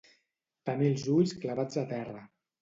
Tenir els ulls clavats a terra.